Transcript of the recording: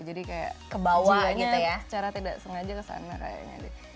jadi kayak jualnya secara tidak sengaja kesana kayaknya